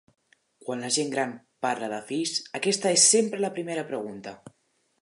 Quan la gent gran parla de fills aquesta és sempre la primera pregunta.